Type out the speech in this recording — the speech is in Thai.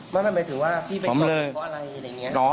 มันมันหมายถึงว่าพี่ไปกลัวเพราะอะไรอะไรอย่างเงี้ยครับ